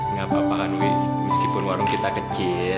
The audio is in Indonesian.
nggak apa apa kan wi meskipun warung kita kecil